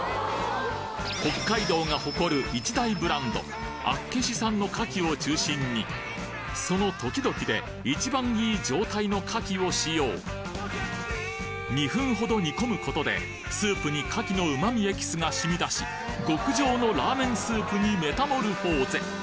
北海道が誇る一大ブランド厚岸産の牡蠣を中心にその時々で一番いい状態の牡蠣を使用２分ほど煮込むことでスープに牡蠣の旨味エキスが染み出し極上のラーメンスープにメタモルフォーゼ！